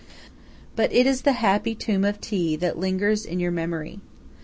But it is the happy tomb of Thi that lingers in your memory.